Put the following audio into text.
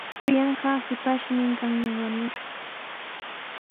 Kuyanqaa shipashmi qanyan wañushqa.